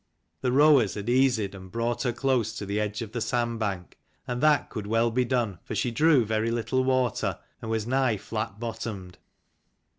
The rowers had easied and brought her close to the edge of the sandbank : and that could well be done, for she drew very little water and was nigh flat bottomed.